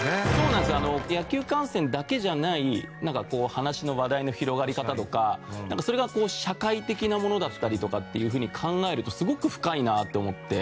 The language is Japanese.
野球観戦だけじゃないなんかこう話の話題の広がり方とかそれがこう社会的なものだったりとかっていうふうに考えるとすごく深いなって思って。